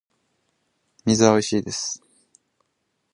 水はおいしいです